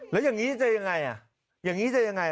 แล้วอย่างนี้จะยังไงอ่ะอย่างนี้จะยังไง